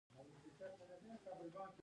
افغانستان په پکتیکا غني دی.